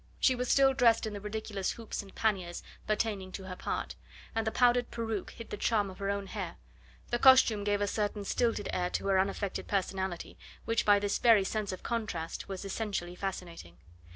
She was still dressed in the ridiculous hoops and panniers pertaining to her part, and the powdered peruke hid the charm of her own hair; the costume gave a certain stilted air to her unaffected personality, which, by this very sense of contrast, was essentially fascinating.